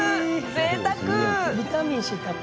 ぜいたく！